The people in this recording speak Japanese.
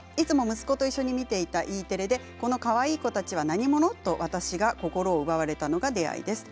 息子と一緒に見ていましたＥテレでこのかわいい子たちは何者と心奪われたのが出会いです。